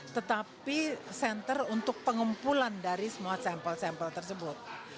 tetapi senter untuk pengumpulan dari semua sampel sampel tersebut